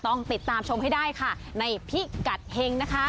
ต้องติดตามชมให้ได้ค่ะในพิกัดเฮงนะคะ